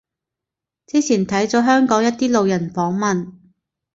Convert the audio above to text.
之前睇咗香港一啲路人訪問